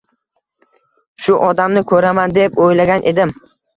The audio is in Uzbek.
Shu odamni koʻraman deb oʻylagan edim.